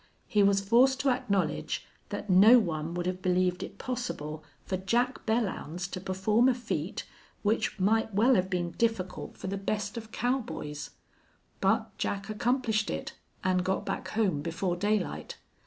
He was forced to acknowledge that no one would have believed it possible for Jack Belllounds to perform a feat which might well have been difficult for the best of cowboys. But Jack accomplished it and got back home before daylight.